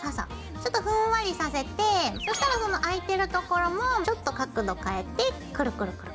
ちょっとふんわりさせてそしたらその開いてるところもちょっと角度変えてクルクルクル。